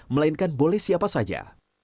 melainkan boleh siapa saja